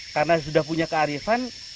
karena sudah punya kearifan